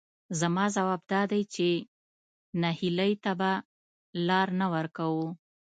زما ځواب دادی چې نهیلۍ ته به لار نه ورکوو،